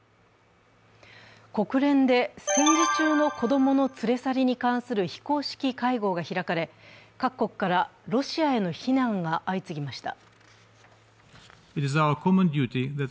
国連で戦時中の子供の連れ去りに関する非公式会合が開かれ各国からロシアへの非難が相次ぎました。